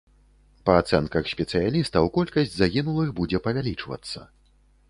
Па ацэнках спецыялістаў, колькасць загінулых будзе павялічвацца.